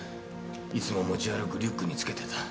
いつも持ち歩くリュックにつけてた。